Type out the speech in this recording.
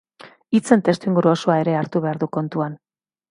Hitzen testuinguru osoa ere hartu behar du kontuan.